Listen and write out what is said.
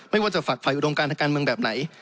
หรือว่าฝ่ายอุดองการทางการเมืองแบบไหน